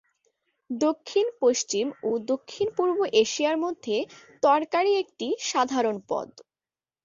দক্ষিণ, পশ্চিম ও দক্ষিণপূর্ব এশিয়ার মধ্যে তরকারী একটি সাধারণ পদ।